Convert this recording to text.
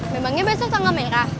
memangnya besok tanggal merah